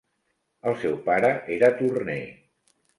El seu pare era torner.